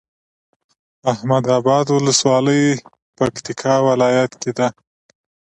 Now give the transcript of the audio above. احمداباد ولسوالي پکتيا ولايت کي ده